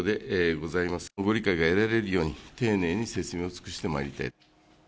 ご理解が得られるように、丁寧に説明を尽くしてまいりたい。